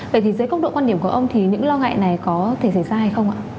vậy thì dưới góc độ quan điểm của ông thì những lo ngại này có thể xảy ra hay không ạ